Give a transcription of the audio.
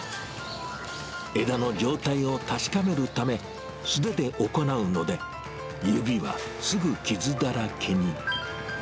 枝の状態を確かめるため、素手で行うので、指はすぐ傷だらけに。